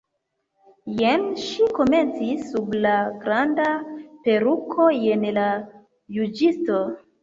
"Jen," ŝi komencis, "sub la granda peruko, jen la juĝisto."